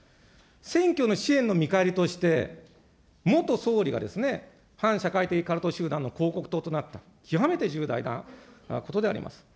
選挙の支援の見返りとして、元総理がですね、反社会的カルト集団の広告塔となった、極めて重大なことであります。